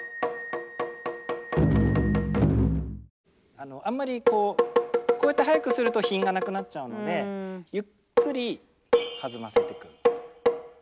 あのあんまりこうこうやって速くすると品がなくなっちゃうのでゆっくり弾ませていく。